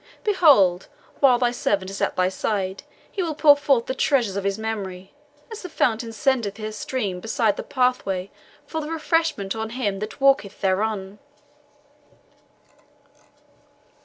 Behold, while thy servant is at thy side, he will pour forth the treasures of his memory, as the fountain sendeth her stream beside the pathway, for the refreshment or him that walketh thereon."